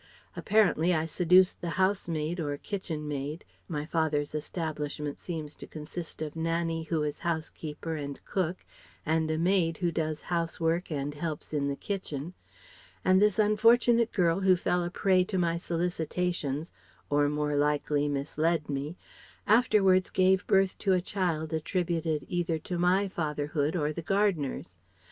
Apparently I seduced the housemaid or kitchenmaid my father's establishment seems to consist of Nannie who is housekeeper and cook, and a maid who does housework and helps in the kitchen and this unfortunate girl who fell a prey to my solicitations or more likely misled me afterwards gave birth to a child attributed either to my fatherhood or the gardener's.